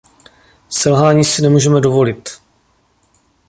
Selhání si nemůžeme dovolit.